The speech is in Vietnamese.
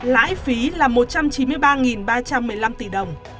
lãi phí là một trăm chín mươi ba ba trăm một mươi năm tỷ đồng